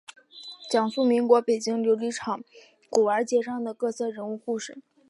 讲述民国北京琉璃厂古玩街上的各色人物故事。